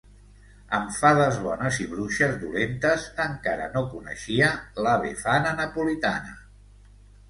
Amb fades bones i bruixes dolentes, encara no coneixia la Befana napolitana.